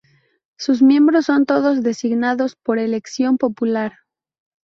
Sus miembros son todos designados por elección popular.